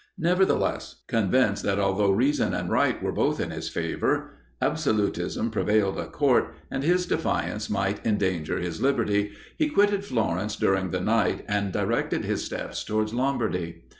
Nevertheless, convinced that although reason and right were both in his favour, absolutism prevailed at Court, and his defiance might endanger his liberty, he quitted Florence during the night, and directed his steps towards Lombardy.